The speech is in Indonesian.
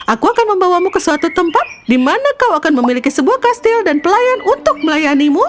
aku akan membawamu ke suatu tempat di mana kau akan memiliki sebuah kastil dan pelayan untuk melayanimu